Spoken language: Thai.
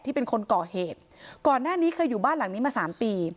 เป็นคนก่อเหตุก่อนหน้านี้เคยอยู่บ้านหลังนี้มาสามปี